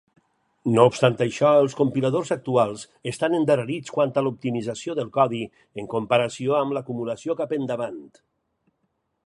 No obstant això, els compiladors actuals estan endarrerits quant a l'optimització del codi en comparació amb l'acumulació cap endavant.